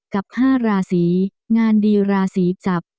กับ๕ราศีงานดีราศีจับ